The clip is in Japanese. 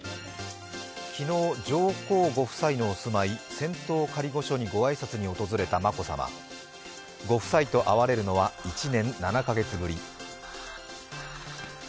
昨日、上皇ご夫妻のお住まい仙洞仮御所に挨拶に訪れた眞子さま。ご夫妻と会われるのは１年７カ月ぶり。